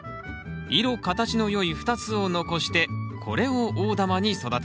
色形の良い２つを残してこれを大玉に育てます。